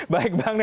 baik bang nia